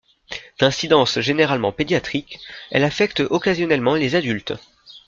D'incidence généralement pédiatrique, elle affecte occasionnellement les adultes.